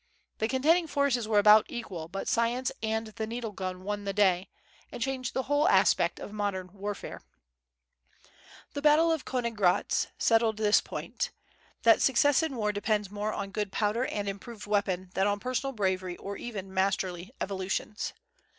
The contending forces were about equal; but science and the needle gun won the day, and changed the whole aspect of modern warfare. The battle of Königgrätz settled this point, that success in war depends more on good powder and improved weapons than on personal bravery or even masterly evolutions.